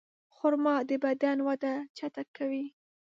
خرما د بدن وده چټکوي.